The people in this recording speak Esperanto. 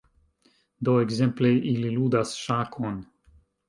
Do, ekzemple ili ludas ŝakon